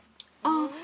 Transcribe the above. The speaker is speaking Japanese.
ああ。